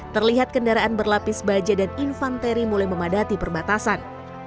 terlihat kendaraan berlapis baja dan infanteri mulai memadati perbatasan